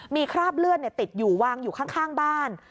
มีคราบเลือดติดอยู่วางอยู่ข้างบ้าน